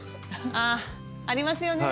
あっありますよね。